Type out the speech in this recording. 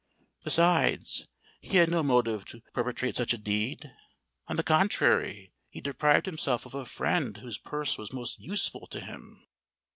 Besides, he had no motive to perpetrate such a deed: on the contrary, he deprived himself of a friend whose purse was most useful to him."